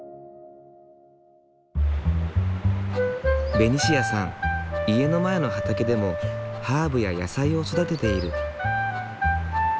ベニシアさん家の前の畑でもハーブや野菜を育てている。